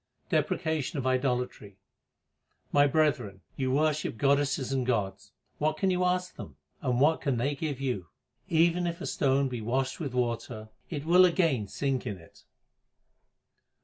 Deprecation of idolatry : My brethren, you worship goddesses and gods ; what can you ask them ? and what can they give you ? Even if a stone be washed with water, it will again sink in it.